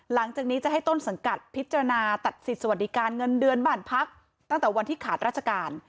หลังจากนี้จะให้ต้นสังกัดพิจารณาตัดสิทธิสวัสดิการเงินเดือนบ้านพักตั้งแต่วันที่ขาดราชการ